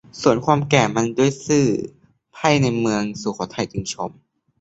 สวนความแก่มันด้วยซื่อ ไพร่ในเมืองสุโขทัยจึงชม